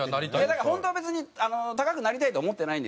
だから本当は別に高くなりたいとは思ってないんですよ。